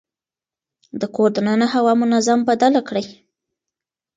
د کور دننه هوا منظم بدله کړئ.